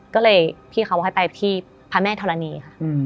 ก็เลยพี่เขาให้ไปที่พระแม่ทรณีย์